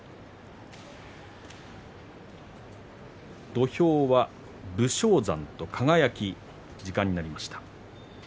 土俵は武将山と輝時間になりました。